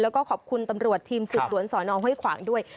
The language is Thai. แล้วก็ขอบคุณตำรวจทีมสิทธิ์ส่วนสอนองค์ให้ขวางด้วย